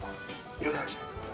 いろいろあるじゃないですか。